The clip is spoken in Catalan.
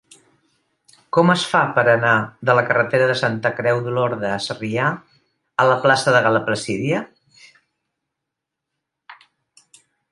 Com es fa per anar de la carretera de Santa Creu d'Olorda a Sarrià a la plaça de Gal·la Placídia?